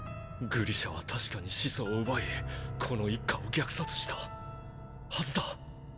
グリシャは確かに始祖を奪いこの一家を虐殺したはずだ。